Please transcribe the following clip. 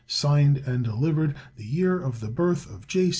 Signed and delivered the year of the birth of J.